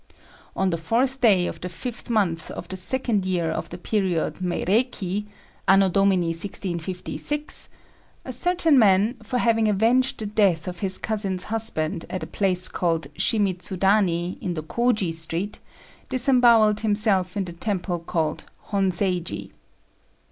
On the fourth day of the fifth month of the second year of the period Meiréki (A.D. 1656), a certain man, for having avenged the death of his cousin's husband at a place called Shimidzudani, in the Kôji street, disembowelled himself in the temple called Honseiji.